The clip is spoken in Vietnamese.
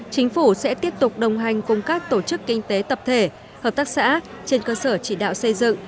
chính phủ sẽ tiếp tục đồng hành cùng các tổ chức kinh tế tập thể hợp tác xã trên cơ sở chỉ đạo xây dựng